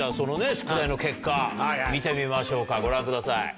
宿題の結果見てみましょうかご覧ください。